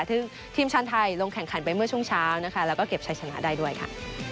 ซึ่งทีมชาติไทยลงแข่งขันไปเมื่อช่วงเช้านะคะแล้วก็เก็บชัยชนะได้ด้วยค่ะ